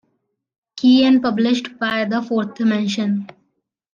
Key and published by The Fourth Dimension.